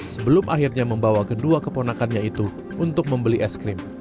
sebelum akhirnya membawa kedua keponakannya itu untuk membeli es krim